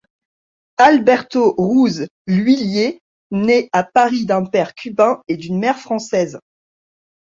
Alberto Ruz Lhuillier naît à Paris d'un père cubain et d'une mère française.